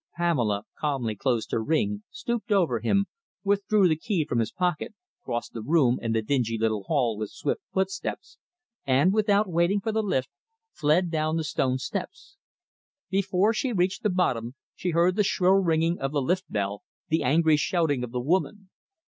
Pamela calmly closed her ring, stooped over him, withdrew the key from his pocket, crossed the room and the dingy little hall with swift footsteps, and, without waiting for the lift, fled down the stone steps. Before she reached the bottom, she heard the shrill ringing of the lift bell, the angry shouting of the woman.